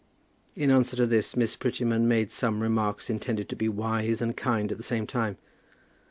In answer to this, Miss Prettyman made some remarks intended to be wise and kind at the same time.